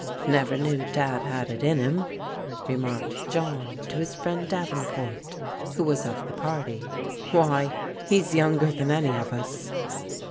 " Never knew Dad had it in him," remarked John to his friend Davenport who was of the party. " Why, he's younger than any of us."